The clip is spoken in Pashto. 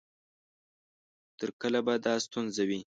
تر کله به دا ستونزه وي؟